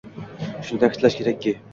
Shuni ta'kidlash kerakki